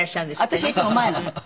私いつも前なの。